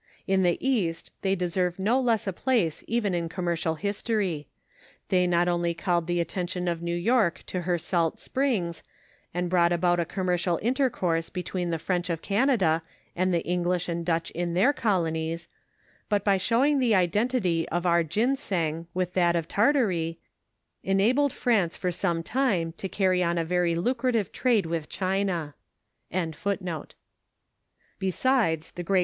In the east they deserve no less a place even in commercial history ; they not only called the attention of New York to her salt springs, and brought about a commeroinl in tercourse between the French of Canada, and the English and Dutch in their colonies, but, by showing the identity of our ginseng with that of Tartary, en abled France for some time to carry on a very lucrative trade with China. \M .,■ In 228 NABBATIVE OF FATHEB DOUAT.